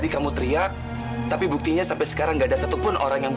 saya mau ketemu sama ibu saya sekarang juga sayang